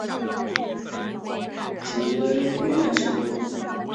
结怨甚多。